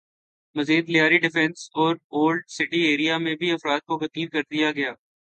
مزید لیاری ڈیفنس اور old city area میں بھی افراد کو قتل کر دیا گیا